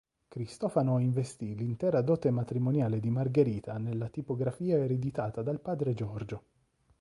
Cristofano investì l'intera dote matrimoniale di Margherita nella tipografia ereditata dal padre Giorgio.